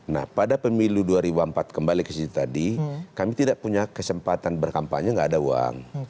nah pada pemilu dua ribu empat kembali ke situ tadi kami tidak punya kesempatan berkampanye tidak ada uang